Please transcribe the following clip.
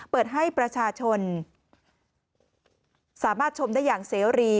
เปิดให้ประชาชนสามารถชมได้อย่างเสรี